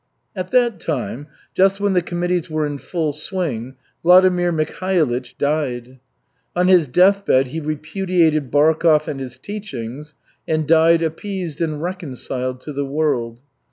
At that time, just when the committees were in full swing, Vladimir Mikhailych died. On his deathbed he repudiated Barkov and his teachings, and died appeased and reconciled to the world.